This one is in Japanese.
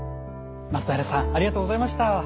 松平さんありがとうございました。